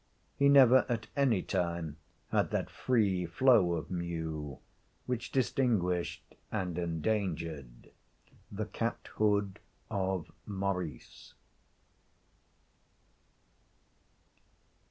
He never at any time had that free flow of mew which distinguished and endangered the cat hood of Maurice.